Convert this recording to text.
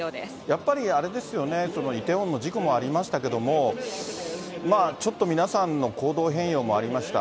やっぱりあれですよね、イテウォンの事故もありましたけど、ちょっと皆さんの行動変容もありました。